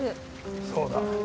そうだ。